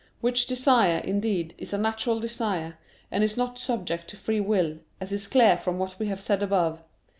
Which desire, indeed, is a natural desire, and is not subject to free will, as is clear from what we have said above (Q.